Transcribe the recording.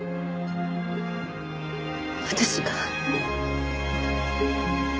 私が？